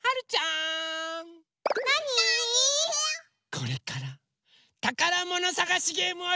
これからたからものさがしゲームをします！